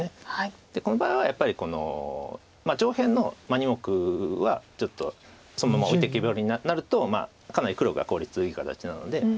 この場合はやっぱり上辺の２目はちょっとそのまま置いてけぼりになるとかなり黒が効率いい形なので。